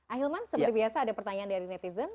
ahilman seperti biasa ada pertanyaan dari netizen